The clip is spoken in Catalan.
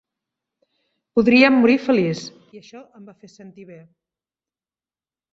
Podria morir feliç, i això em va fer sentir bé.